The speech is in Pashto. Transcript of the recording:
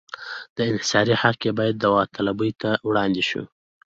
انحصاري حق یې باید داوطلبۍ ته وړاندې شي.